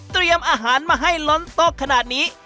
เตรียมอาหารมาให้ร้อนตกขนาดนี้